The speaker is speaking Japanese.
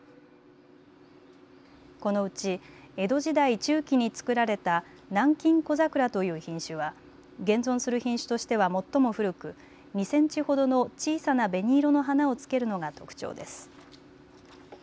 このうち江戸時代中期に作られた南京小桜という品種は現存する品種としては最も古く２センチほどの小さな紅色の花を付けるのが特徴です。